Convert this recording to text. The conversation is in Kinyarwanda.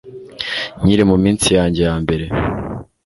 Nkiri mu minsi yanjye ya mbere